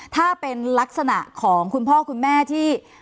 ถ้าเป็นลักษณะของคุณพ่อคุณแม่ที่